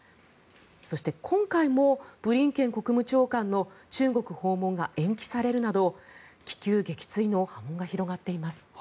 そして今回もブリンケン国務長官の中国訪問が延期されるなど気球撃墜の波紋が広がっています。